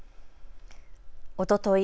おととい